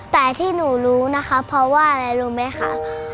แต่ที่หนูรู้นะคะเพราะว่าอะไรรู้ไหมคะ